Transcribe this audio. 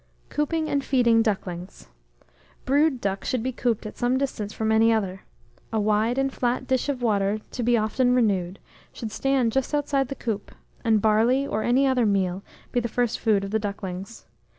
COOPING AND FEEDING DUCKLINGS. Brood ducks should be cooped at some distance from any other. A wide and flat dish of water, to be often renewed, should stand just outside the coop, and barley, or any other meal, be the first food of the ducklings.